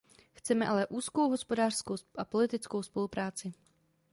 Chceme ale úzkou hospodářskou a politickou spolupráci.